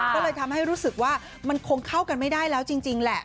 ก็เลยทำให้รู้สึกว่ามันคงเข้ากันไม่ได้แล้วจริงแหละ